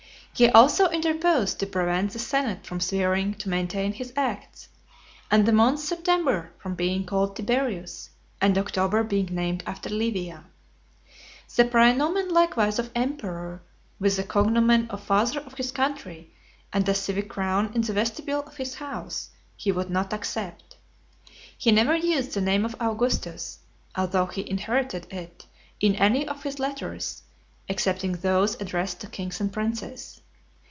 He also interposed to prevent the senate from swearing to maintain his acts; and the month of September from being called Tiberius, and October being named after Livia. The praenomen likewise of EMPEROR, with the cognomen of FATHER OF HIS COUNTRY, and a civic crown in the vestibule of his house, he would not accept. He never used the name of AUGUSTUS, although he inherited it, in any of his letters, excepting those addressed to kings and princes.